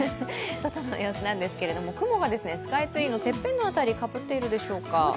外の様子なんですけれども、雲がスカイツリーのてっぺんの辺り、隠していますでしょうか。